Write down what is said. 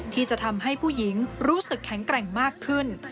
ที่จะทำให้ผู้หญิงรู้สึกแข็งแกร่งมากขึ้น